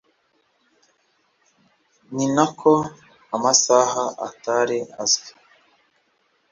ni nako amasaha atari azwi